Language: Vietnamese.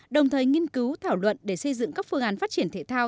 đồng thời nghiên cứu thảo luận để xây dựng các phương án phát triển thể thao